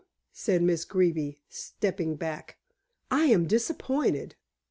said Miss Greeby, stepping back, "I am disappointed."